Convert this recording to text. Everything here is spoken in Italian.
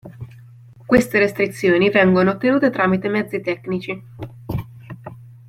Queste restrizioni vengono ottenute tramite mezzi tecnici.